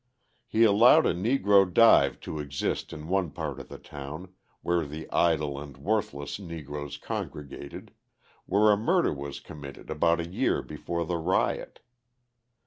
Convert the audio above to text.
He allowed a Negro dive to exist in one part of the town, where the idle and worthless Negroes congregated, where a murder was committed about a year before the riot.